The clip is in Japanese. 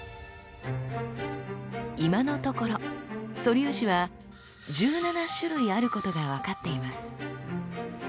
今のところ素粒子は１７種類あることが分かっています。